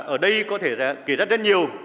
ở đây có thể kể rất nhiều